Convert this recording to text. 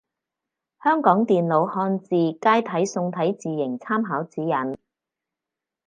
香港電腦漢字楷體宋體字形參考指引